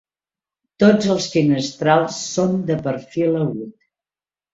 Tots els finestrals són de perfil agut.